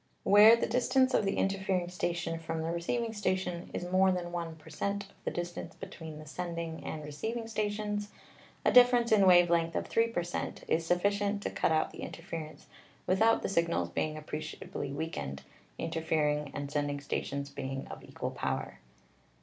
"Where the distance of the interfering station from the receiving station is more than 1 per cent, of the dis tance between the sending and receiving stations, a dif ference in wave length of 3 per cent, is sufficient to cut out the interference without the signals being appreci ably weakened, interfering and sending stations being of equal power."